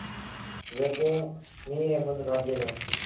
جيڪو ميݩهن ريٚ مند ڀرجي دو۔